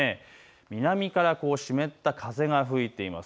南から湿った風が吹いています。